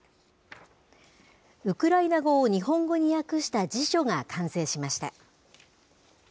ウクライナ語を日本語に訳した辞書が完成しました。